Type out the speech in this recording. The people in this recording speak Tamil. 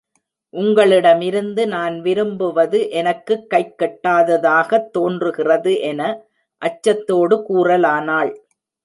உங்களிடமிருந்து நான் விரும்புவது எனக்குக் கைக்கெட்டாததாகத் தோன்றுகிறது என அச்சத்தோடு கூறலானாள்.